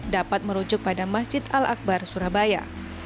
dapat merujuk pada masjid al akbar surabaya